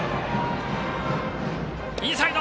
インサイド！